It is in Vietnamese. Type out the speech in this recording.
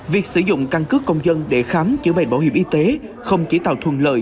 việc sử dụng căn cứ công dân để khám chữa bệnh bảo hiểm y tế không chỉ tạo thuận lợi